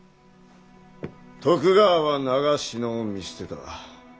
徳川は長篠を見捨てた。